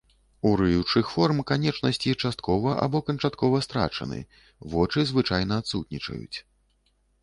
У рыючых форм канечнасці часткова або канчаткова страчаны, вочы звычайна адсутнічаюць.